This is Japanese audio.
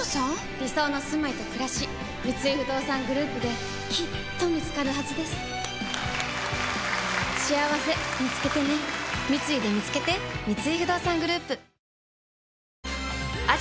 理想のすまいとくらし三井不動産グループできっと見つかるはずですしあわせみつけてね三井でみつけてできた！